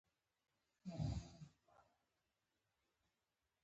ډرامه باید رښتیا ووايي